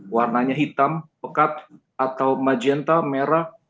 warnanya hitam pekat atau majenta merah